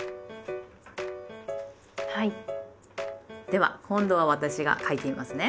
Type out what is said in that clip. では今度は私が書いてみますね。